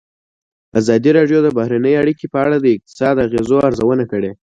ازادي راډیو د بهرنۍ اړیکې په اړه د اقتصادي اغېزو ارزونه کړې.